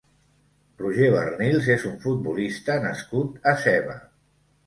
Roger Barnils és un futbolista nascut a Seva.